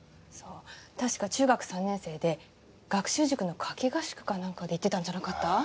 そうたしか中学３年生で学習塾の夏期合宿かなんかで行ってたんじゃなかった？